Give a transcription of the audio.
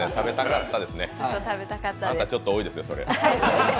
あなたちょっと多いですよ、それ。